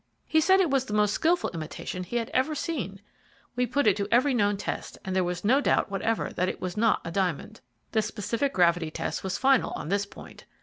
He said it was the most skilful imitation he had ever seen. We put it to every known test, and there was no doubt whatever that it was not a diamond. The specific gravity test was final on this point.